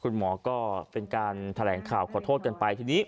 คุณหมอก็เป็นการแถลงข่าวขอโทษกันไปทีนี้